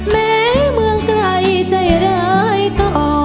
แม้เมืองไกลใจร้ายต่อ